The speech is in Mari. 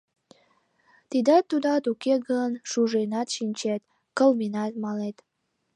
Тидат-тудат уке гын, шуженат шинчет, кылменат малет.